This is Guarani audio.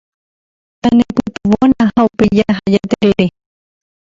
Tanepytyvõna ha upéi jaha jaterere.